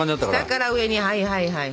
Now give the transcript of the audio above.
下から上にはいはいはい。